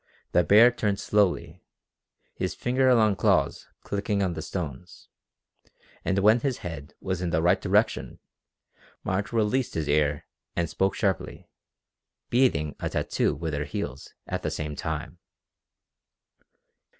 The bear turned slowly, his finger long claws clicking on the stones, and when his head was in the right direction Marge released his ear and spoke sharply, beating a tattoo with her heels at the same time.